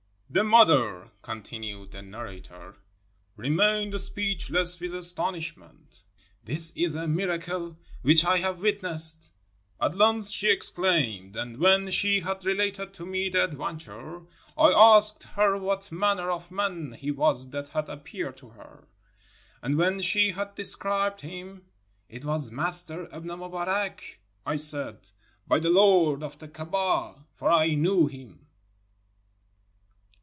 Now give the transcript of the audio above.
310 TRADITIONS OF THE SHEIKHS OF MOROCCO "The mother," continued the narrator, "remained speechless with astonishment. 'This is a miracle which I have witnessed,' at length she exclaimed; and when she had related to me the adventure, I asked her what manner of man he was that had appeared to her; and when she had described him, 'It was Master Ibn Mubarak,' I said, 'by the Lord of the Kaabah!' — for I knew him."